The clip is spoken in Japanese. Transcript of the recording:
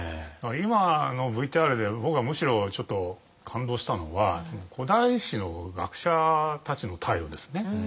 今のＶＴＲで僕がむしろちょっと感動したのは古代史の学者たちの態度ですね。